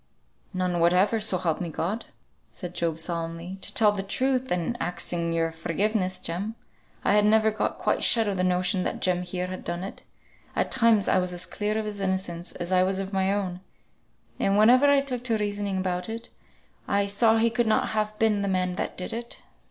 "None whatever, so help me God!" said Job, solemnly. "To tell truth (and axing your forgiveness, Jem), I had never got quite shut of the notion that Jem here had done it. At times I was as clear of his innocence as I was of my own; and whenever I took to reasoning about it, I saw he could not have been the man that did it.